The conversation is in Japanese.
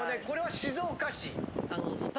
これは静岡市？